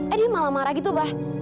eh dia malah marah gitu pak